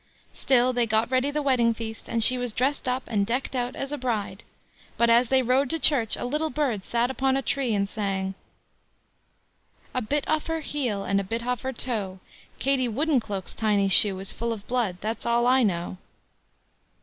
Still they got ready the wedding feast, and she was dressed up and decked out as a bride; but as they rode to church, a little bird sat upon a tree and sang: A bit off her heel, And a bit off her toe; Katie Woodencloak's tiny shoe Is full of blood—that's all I know.